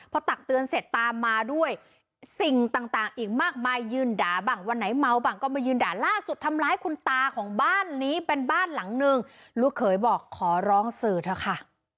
พอตักเตือนเสร็จตามมาด้วยสิ่งต่างอีกมากมายยืนด่าบ้างวันไหนเมาบ้างก็มายืนด่าล่าสุดทำร้ายคุณตาของบ้านนี้เป็นบ้านหลังนึงลูกเขยบอกขอร้องสื่อเถอะค่ะ